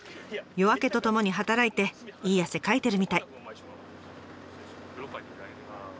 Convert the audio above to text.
夜明けとともに働いていい汗かいてるみたい。